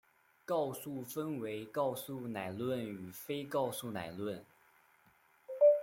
告诉分为告诉乃论与非告诉乃论。